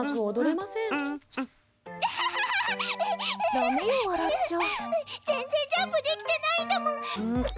全然ジャンプできてないんだもん。